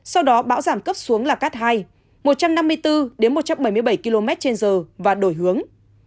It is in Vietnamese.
sau đó bão giảm cấp xuống là cấp hai một trăm năm mươi bốn một trăm bảy mươi bảy km trên giờ và đổi hướng